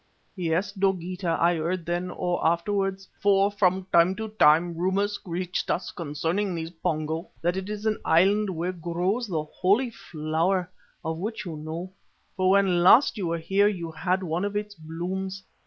"Yes, Dogeetah. I heard then, or afterwards for from time to time rumours reach us concerning these Pongo that it is an island where grows the Holy Flower, of which you know, for when last you were here you had one of its blooms.